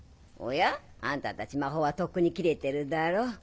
おやあんたたち魔法はとっくに切れてるだろ？